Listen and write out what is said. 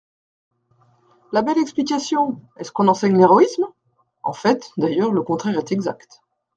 La belle explication ! Est-ce qu'on enseigne l'héroïsme ? En fait, d'ailleurs, le contraire est exact.